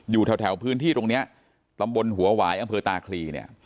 อยู่แถวพื้นที่ตรงนี้ตำบลหัวหวายอำเภอตาคลีเนี่ย